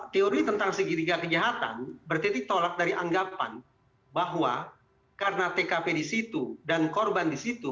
teori tentang segitiga kejahatan bertitik tolak dari anggapan bahwa karena tkp di situ dan korban di situ